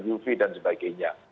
uv dan sebagainya